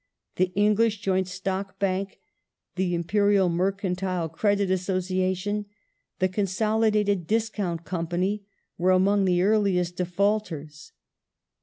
The English Joint Stock Bank ; the Imperial Mercantile Credit Association ; the Consolidated Discount Company were among the earliest defaulters.